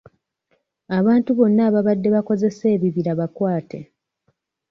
Abantu bonna ababadde bakozesa ebibira bakwate.